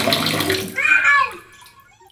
ایا ستاسو اعصاب ارام نه دي؟